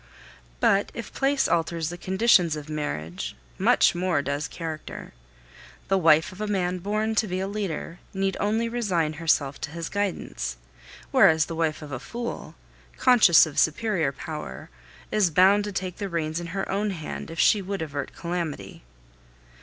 But if place alters the conditions of marriage, much more does character. The wife of a man born to be a leader need only resign herself to his guidance; whereas the wife of a fool, conscious of superior power, is bound to take the reins in her own hand if she would avert calamity.